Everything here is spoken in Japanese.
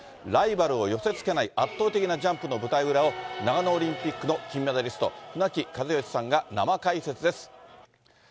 ライバルを寄せつけない、圧倒的なジャンプの舞台裏を長野オリンピックの金メダリスト、船木和喜さんが生解説です。